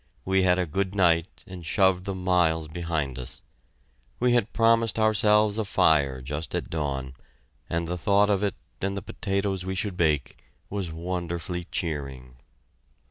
We had a good night, and shoved the miles behind us. We had promised ourselves a fire just at dawn, and the thought of it, and the potatoes we should bake, was wonderfully cheering.